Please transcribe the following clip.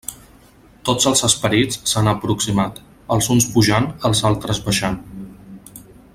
Tots els esperits s'han aproximat; els uns pujant, els altres baixant.